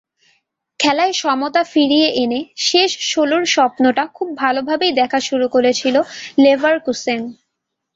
খেলায় সমতা ফিরিয়ে এনে শেষ ষোলোর স্বপ্নটা খুব ভালোভাবেই দেখা শুরু করেছিল লেভারকুসেন।